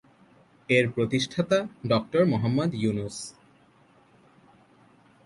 এর প্রতিষ্ঠাতা ডঃ মুহাম্মদ ইউনুস।